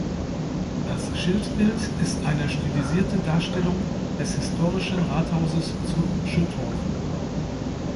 Das Schildbild ist eine stilisierte Darstellung des historischen Rathauses zu Schüttorf.